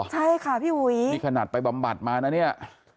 ใช่ค่ะพี่อุ๋ยนี่ขนาดไปบำบัดมานะเนี่ย